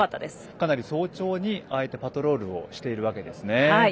かなり早朝にああいったパトロールをしているそうです。